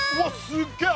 すっげえ！